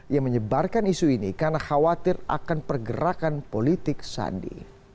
yang menyebarkan isu ini karena khawatir akan pergerakan politik sandi